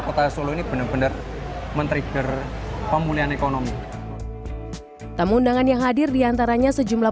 kota solo ini bener bener men trigger pemulihan ekonomi tamu undangan yang hadir diantaranya sejumlah